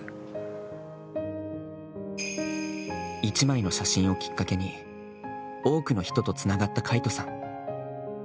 一枚の写真をきっかけに多くの人とつながった魁翔さん。